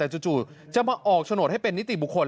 แต่จู่จะมาออกโฉนดให้เป็นนิติบุคคล